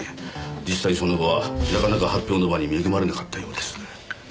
実際その後はなかなか発表の場に恵まれなかったようです。